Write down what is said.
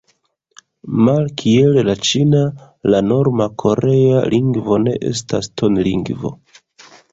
Malkiel la ĉina, la norma korea lingvo ne estas tonlingvo.